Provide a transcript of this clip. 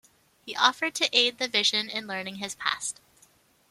He offered to aid the Vision in learning his past.